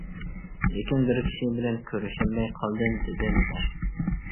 لېكىن، بىر كىشى بىلەن كۆرۈشەلمەي قالدىم-دېدىم مەن.